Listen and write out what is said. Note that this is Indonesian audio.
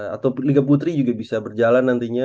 atau liga putri juga bisa berjalan nantinya